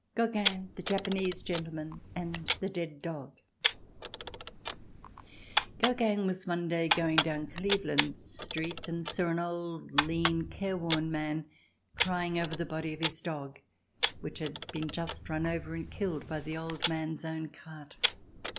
Gogin, the Japanese Gentleman and the Dead Dog Gogin was one day going down Cleveland Street and saw an old, lean, careworn man crying over the body of his dog which had been just run over and killed by the old man's own cart.